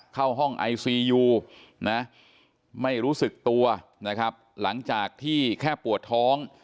เข้าห้องไอซียูนะไม่รู้สึกตัวนะครับหลังจากที่แค่ปวดท้อง